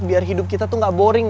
biar hidup kita tuh gak boring